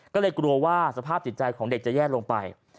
ก็เลยกลัวว่าสภาพจิตใจของเด็กจะแย่ลงไป